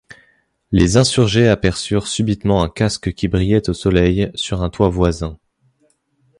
Les insurgés aperçurent subitement un casque qui brillait au soleil sur un toit voisin.